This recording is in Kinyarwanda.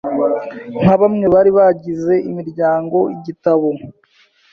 nka bamwe bari bagize imiryango igitabo